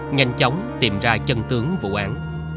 nhanh chóng tìm ra chân tướng vụ án